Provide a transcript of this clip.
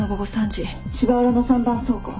芝浦の３番倉庫。